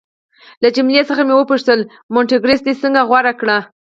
له جميله څخه مې وپوښتل: مونټریکس دې څنګه غوره کړ؟